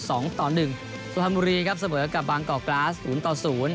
สวัสดีครับเสมอกับบางกอกกราศ๐๐